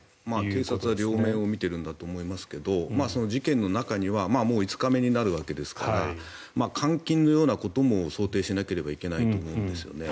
警察は両面を見ているんだと思いますが事件の中にはもう５日目になるわけですから監禁のようなことも想定しなければいけないと思うんですよね。